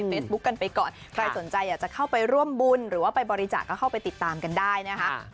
มาร่วมบุญใหญ่กันในครั้งนี้